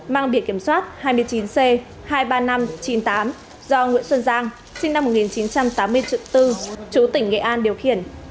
mang biển kiểm soát hai mươi chín c hai mươi ba nghìn năm trăm chín mươi tám do nguyễn xuân giang sinh năm một nghìn chín trăm tám mươi trực tư chú tỉnh nghệ an điều khiển